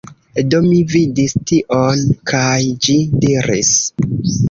Do mi vidis tion, kaj ĝi diris...